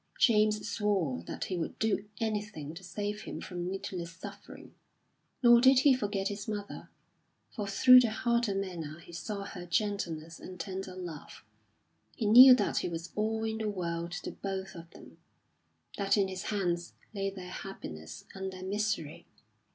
James swore that he would do anything to save him from needless suffering. Nor did he forget his mother, for through the harder manner he saw her gentleness and tender love. He knew that he was all in the world to both of them, that in his hands lay their happiness and their misery.